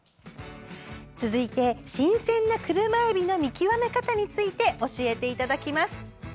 続いて新鮮なクルマエビの見極め方について教えていただきます。